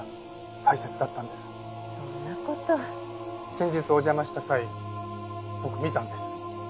先日お邪魔した際僕見たんです。